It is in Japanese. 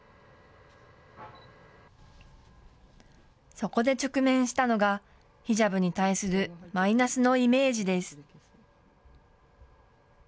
そこで直面したのがヒジャブに対するマイナスのイメージです。